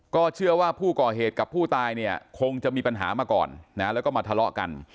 ก็เชื่อว่าผู้ก่อเหตุกับผู้ตายเนี่ยคงจะมีปัญหามาก่อนนะแล้วก็มาทะเลาะกัน